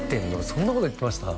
そんなこと言ってました？